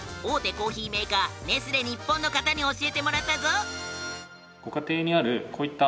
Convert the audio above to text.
コーヒーメーカーネスレ日本の方に教えてもらったぞ。